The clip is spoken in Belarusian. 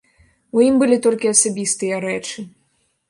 У ім былі толькі асабістыя рэчы.